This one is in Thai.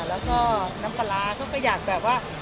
แล้วก็น้ำปลาร้าเขาก็อยากแบบว่า